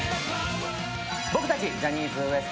僕たち、ジャニーズＷＥＳＴ